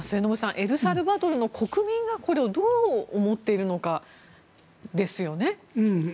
エルサルバドルの国民がこれをどう思っているのかですよね。